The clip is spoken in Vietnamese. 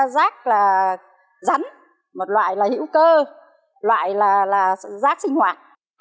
rác là rắn một loại là hữu cơ loại là rác sinh hoạt